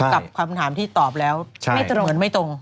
กับคำถามที่ตอบแล้วไม่ตรงเหมือนไม่ตรง